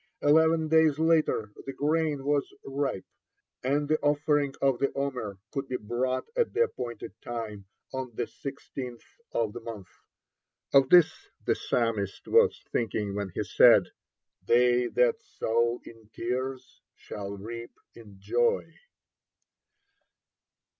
Eleven days later the grain was ripe, and the offering of the 'Omer could be brought at the appointed time, on the sixteenth of the month. Of this the Psalmist was thinking when he said, "They that sow in tears shall reap in joy."